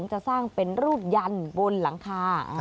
จะสร้างเป็นรูปยันบนหลังคา